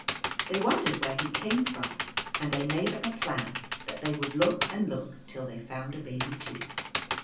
They wondered where he came from, and they made up a plan that they would look and look till they found a baby too.